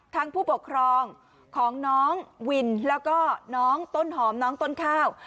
ผู้ปกครองของน้องวินแล้วก็น้องต้นหอมน้องต้นข้าว